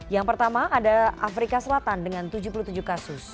yang pertama ada afrika selatan dengan tujuh puluh tujuh kasus